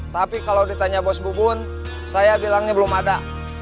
tapi kalau ditanya bos bubun saya bilangnya belum ada